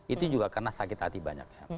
itu juga karena sakit hati banyak ya